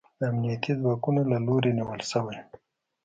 د امنیتي ځواکونو له لوري نیول شوی